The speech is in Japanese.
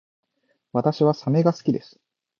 私はサメが好きです